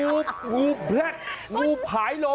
งูแบบแบล็คงูผายลง